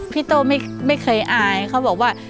โต้ไม่เคยอายเขาบอกว่า